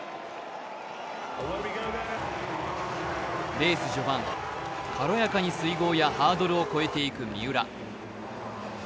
レース序盤、軽やかに水濠やハードルを越えていく三浦。